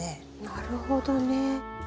なるほどね。